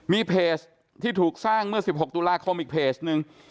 มีเพจที่ถูกสร้างเมื่อ๑๖ตุลาคมอีกเพจนึง